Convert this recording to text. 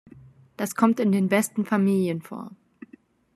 Das kommt in den besten Familien vor".